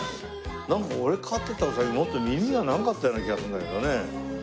なんか俺飼ってたうさぎもっと耳が長かったような気がするんだけどね。